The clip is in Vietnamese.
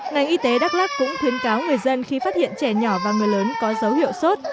ngành y tế đắk lắc cũng khuyến cáo người dân khi phát hiện trẻ nhỏ và người lớn có dấu hiệu sốt